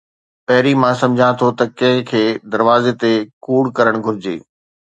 پهرين، مان سمجهان ٿو ته ڪنهن کي دروازي تي ڪوڙ ڪرڻ گهرجي